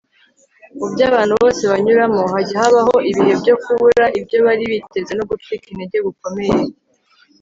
Mu byo abantu bose banyuramo hajya habaho ibihe byo kubura ibyo bari biteze no gucika intege gukomeye